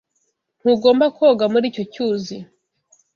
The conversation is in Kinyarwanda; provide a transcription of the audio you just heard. Ntugomba koga muri icyo cyuzi.